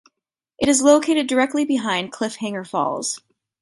It is located directly behind Cliffhanger Falls.